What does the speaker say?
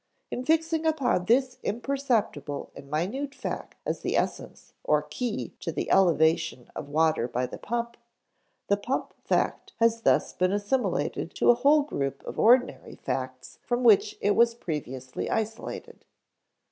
In fixing upon this imperceptible and minute fact as the essence or key to the elevation of water by the pump, the pump fact has thus been assimilated to a whole group of ordinary facts from which it was previously isolated.